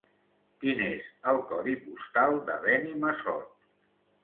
Quin és el codi postal de Benimassot?